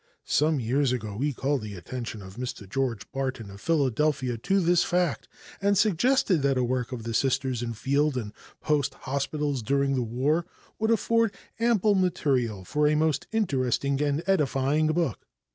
Some years ago we called the attention of Mr. George Barton, of Philadelphia, to this fact and suggested that a work of the Sisters in field and post hospitals during the war would afford ample material for a most interesting and edifying book.